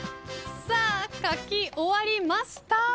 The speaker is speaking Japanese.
さあ書き終わりました。